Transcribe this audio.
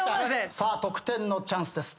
さあ得点のチャンスです。